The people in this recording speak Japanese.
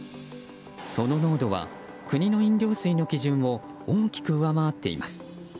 その濃度は、国の飲料水の基準を大きく上回っています。